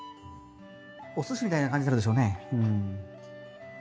おすしみたいな感じになるでしょうね。